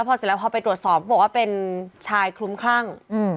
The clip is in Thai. พอเสร็จไปตรวจสอบบอกว่าเป็นชายคลุ้มขรั่ง